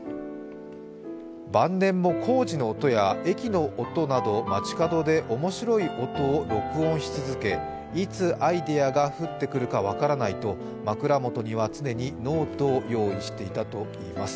晩年工事の音や、駅の音など、街かどで面白い音を録音し続け、いつアイデアが降ってくるか分からないと枕元には常にノートを用意していたといいます。